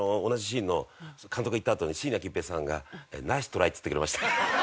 監督が行ったあとに椎名桔平さんが「ナイストライ！」って言ってくれました。